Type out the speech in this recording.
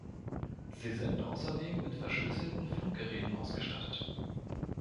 Sie sind außerdem mit verschlüsselten Funkgeräten ausgestattet.